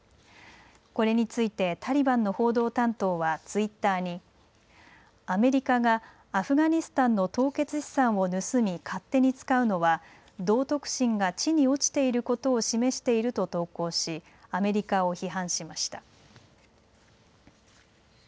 これについてタリバンの報道担当はツイッターにアメリカがアフガニスタンの凍結資産を盗み勝手に使うのは道徳心が地に落ちていることを示していると投稿しアメリカを批判しました。